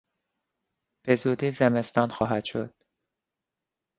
بزودی زمستان خواهد شد.